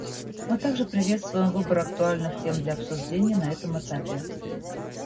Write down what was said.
Мы также приветствуем выбор актуальных тем для обсуждения на этом этапе.